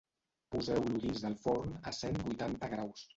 Poseu-lo dins del forn a cent vuitanta graus